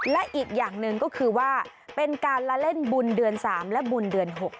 และอีกอย่างหนึ่งก็คือว่าเป็นการละเล่นบุญเดือน๓และบุญเดือน๖